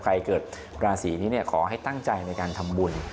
เกิดราศีนี้ขอให้ตั้งใจในการทำบุญ